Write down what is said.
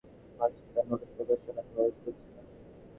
Vance কি তার নতুন প্রকাশনা ঘর খুলছে না?